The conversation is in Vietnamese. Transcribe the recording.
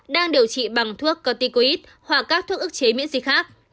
đang điều trị bằng thuốc corticoid hoặc các thuốc ức chế miễn dịch khác